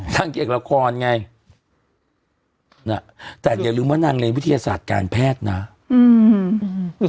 นางเอกละครไงน่ะแต่อย่าลืมว่านางเรียนวิทยาศาสตร์การแพทย์นะอืม